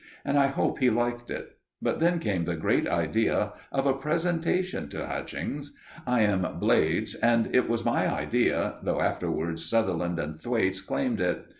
And I hope he liked it. But then came the great idea of a presentation to Hutchings. I am Blades, and it was my idea, though afterwards Sutherland and Thwaites claimed it.